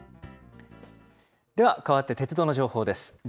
では、かわって鉄道の情報です。